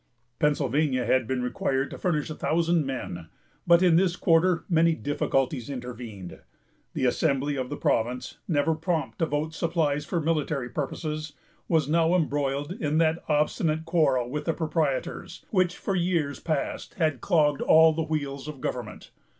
Pennsylvania had been required to furnish a thousand men; but in this quarter many difficulties intervened. The Assembly of the province, never prompt to vote supplies for military purposes, was now embroiled in that obstinate quarrel with the proprietors, which for years past had clogged all the wheels of government.